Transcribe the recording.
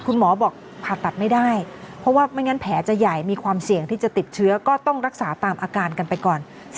คุณหมอบอกผ่าตัดไม่ได้เพราะว่าไม่งั้นแผลจะใหญ่มีความเสี่ยงที่จะติดเชื้อก็ต้องรักษาตามอาการกันไปก่อน